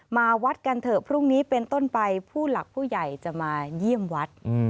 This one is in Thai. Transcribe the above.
มาวัดกันเถอะพรุ่งนี้เป็นต้นไปผู้หลักผู้ใหญ่จะมาเยี่ยมวัด